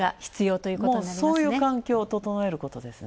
そういう環境を整えることですね。